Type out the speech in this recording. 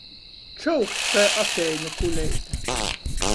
Čaukst kai apeiņu kuleite.